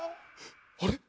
あれ？